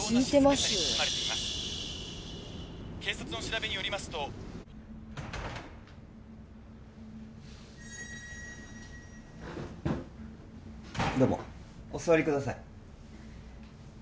シッ警察の調べによりますとどうもお座りください